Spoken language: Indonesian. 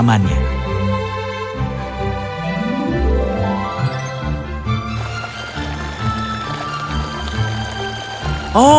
ada jalan pipi